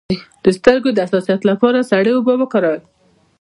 د سترګو د حساسیت لپاره سړې اوبه وکاروئ